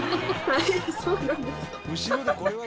そうなんですか？